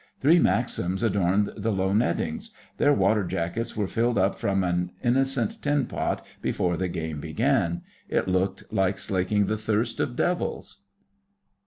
Three Maxims adorned the low nettings. Their water jackets were filled up from an innocent tin pot before the game began. It looked like slaking the thirst of devils.